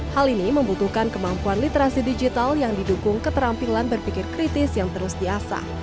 hal ini membutuhkan kemampuan literasi digital yang didukung keterampilan berpikir kritis yang terus diasah